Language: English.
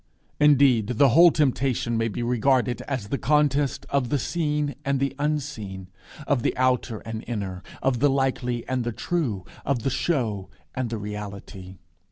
Indeed, the whole Temptation may be regarded as the contest of the seen and the unseen, of the outer and inner, of the likely and the true, of the show and the reality.